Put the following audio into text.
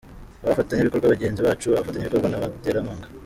Abafatanyabikorwa – Bagenzi bacu, Abafatanyabikorwa n’abaterankunga.